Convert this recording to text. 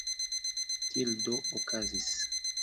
Tiel do okazis.